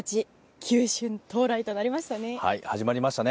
球春到来となりましたね。